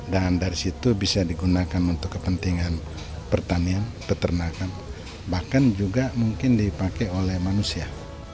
dan dari situ bisa digunakan untuk kepentingan pertanian peternakan bahkan juga mungkin dipakai oleh manusia